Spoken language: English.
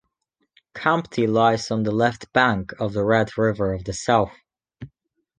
Campti lies on the left bank of the Red River of the South.